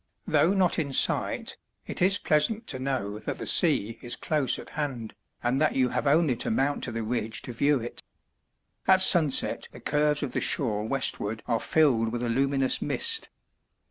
Though not in sight, it is pleasant to know that the sea is close at hand, and that you have only to mount to the ridge to view it. At sunset the curves of the shore westward are filled with a luminous mist.